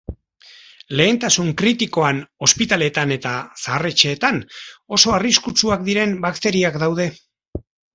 Lehentasun kritikoan ospitaleetan eta zahar-etxeetan oso arriskutsuak diren bakteriak daude.